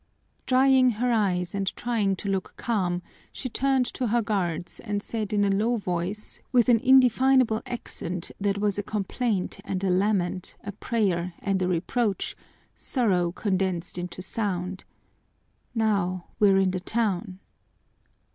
Drying her eyes and trying to look calm, she turned to her guards and said in a low voice, with an indefinable accent that was a complaint and a lament, a prayer and a reproach, sorrow condensed into sound, "Now we're in the town."